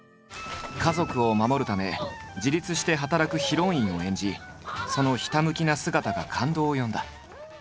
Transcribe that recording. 家族を守るため自立して働くヒロインを演じそのひたむきな姿が感動を呼んだ。